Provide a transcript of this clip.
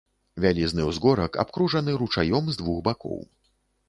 Вялізны ўзгорак, абкружаны ручаём з двух бакоў.